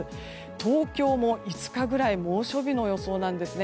東京も５日ぐらい猛暑日の予想なんですね。